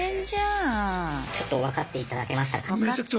ちょっと分かっていただけましたか？